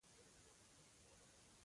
کلامي موضوعات نه مطرح کېدل.